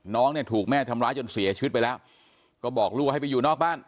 น้องเนี่ยถูกแม่ทำร้ายจนเสียชีวิตไปแล้วก็บอกลูกให้ไปอยู่นอกบ้าน